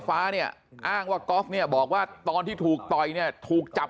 ฟ้าเนี่ยอ้างว่าก๊อฟเนี่ยบอกว่าตอนที่ถูกต่อยเนี่ยถูกจับ